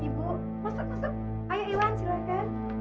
gimana pak udah selesai